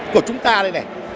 của chúng ta đây này